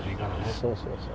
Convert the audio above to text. そうそうそう。